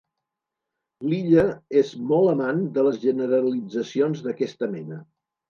L'Illa és molt amant de les generalitzacions d'aquesta mena.